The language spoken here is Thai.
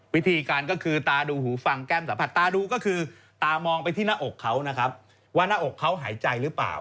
วิธีการก็คือตาดูหูฟังแก้มสัมผัสตาดูก็คือตามองไปที่หน้าอกเขานะครับว่าหน้าอกเขาหายใจหรือเปล่า